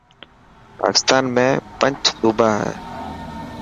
پاڪستان ۾ پنچ صوبا هي.